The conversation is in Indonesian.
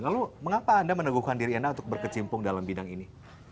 lalu mengapa anda meneguhkan diri anda untuk berkecimpung dalam bidang ini